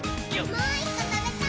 もう１こ、たべたい！